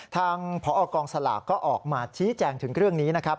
ทางพอกองสลากก็ออกมาชี้แจงถึงเรื่องนี้นะครับ